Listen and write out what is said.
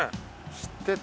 知ってた。